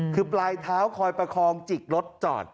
คือปลายเท้าคอยประคองจิกรถจอด